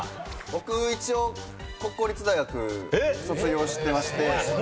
僕一応国公立大学卒業してまして。